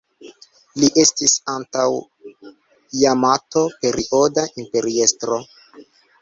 Li estis Antaŭ-Jamato-Perioda imperiestro.